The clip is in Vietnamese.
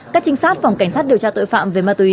các trinh sát phòng cảnh sát điều tra tội phạm về ma túy